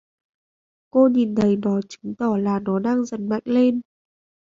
Cô nhìn thấy nó chứng tỏ là nó đang dần mạnh lên